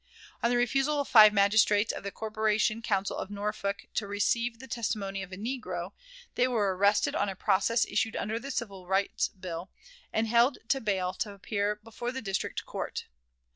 On the refusal of five magistrates of the Corporation Council of Norfolk to receive the testimony of a negro, they were arrested on a process issued under the Civil Bights Bill, and held to bail to appear before the District Court.